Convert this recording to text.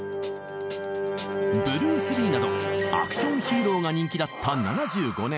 ブルース・リーなどアクション・ヒーローが人気だった７５年。